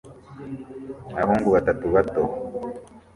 Abahungu batatu bato